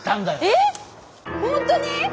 えっ本当に？